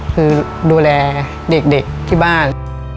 คือดูแลเด็กที่บ้าน